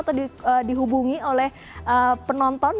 atau dihubungi oleh penonton